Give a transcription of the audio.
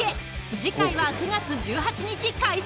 次回は９月１８日開催